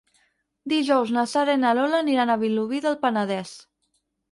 Dijous na Sara i na Lola aniran a Vilobí del Penedès.